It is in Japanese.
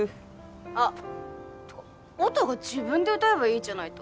あっ音が自分で歌えばいいっちゃないと？